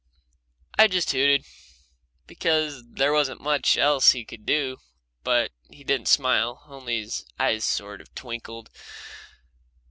I just hooted, because there wasn't much else he could do. But he didn't smile, only his eyes sort of twinkled.